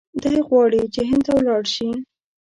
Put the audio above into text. دی غواړي چې هند ته ولاړ شي.